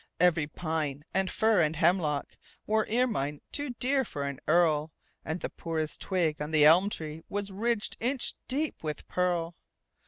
Every pine and fir and hemlockWore ermine too dear for an earl, And the poorest twig on the elm treeWas ridged inch deep with pearl.